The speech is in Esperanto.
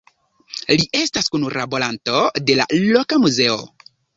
Li estas kunlaboranto de la loka muzeo.